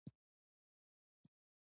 هغوی د ژمنې په بڼه خزان سره ښکاره هم کړه.